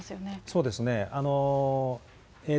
そうですね。